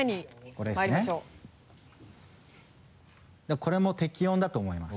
これも適温だと思います。